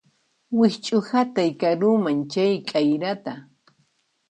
Wikch'uhatay karuman chay k'ayrata